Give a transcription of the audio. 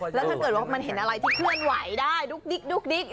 แล้วถ้าเกิดว่ามันเห็นอะไรที่เคลื่อนไหวได้ดุ๊กดิ๊ก